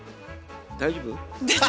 大丈夫？